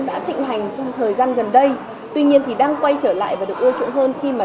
đã thịnh hành trong thời gian gần đây tuy nhiên thì đang quay trở lại và được ưa chuộng hơn khi mà